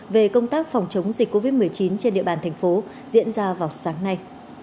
về công tác phòng chống dịch covid một mươi chín trên địa bàn thành phố diễn ra vào sáng nay